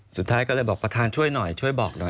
สุดท้ายก็เลยบอกประธานช่วยหน่อยช่วยบอกหน่อย